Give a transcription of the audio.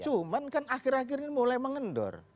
cuman kan akhir akhir ini mulai mengendor